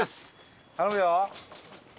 頼むよ。